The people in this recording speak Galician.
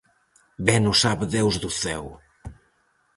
Ben o sabe Deus do ceo!